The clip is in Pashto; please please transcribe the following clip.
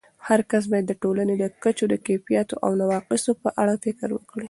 هرکس باید د ټولنې د کچو د کیفیاتو او نواقصو په اړه فکر وکړي.